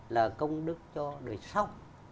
là công đức cho đời sau